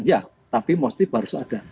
ya tapi pasti baru saja ada